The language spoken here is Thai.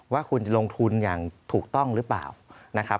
ว่าคุณจะลงทุนอย่างถูกต้องหรือเปล่านะครับ